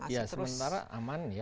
ya sementara aman ya